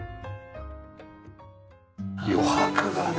余白がね